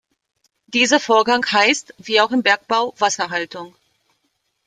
Dieser Vorgang heißt, wie auch im Bergbau, Wasserhaltung.